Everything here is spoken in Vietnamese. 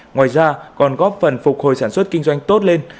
ngoài ra còn góp phần phục hồi sản xuất kinh doanh tốt lên